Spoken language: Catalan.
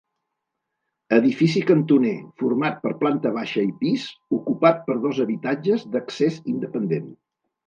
Edifici cantoner, format per planta baixa i pis, ocupat per dos habitatges d'accés independent.